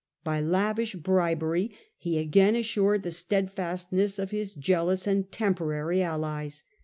By lavish bribery he again assured the steadfastness of his jealous and temporary allies.